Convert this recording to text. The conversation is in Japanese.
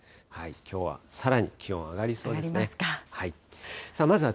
きょうはさらに気温上がりそうで上がりますか。